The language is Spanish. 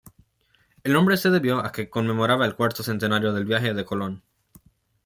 El nombre se debió a que conmemoraba el cuarto centenario del viaje de Colón.